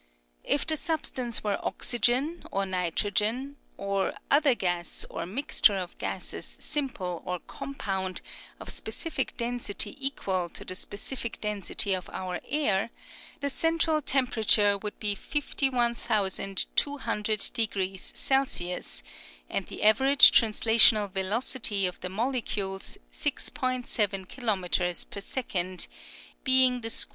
If the substance were oxygen, or nitrogen, or other gas or mixture of gases simple or compound, of specific density equal to the specific density of our air, the central temperature would be 5 1 , 200 C, and the average translational velocity of the molecules 6. 7 kilometres per second, being \/~* of 10.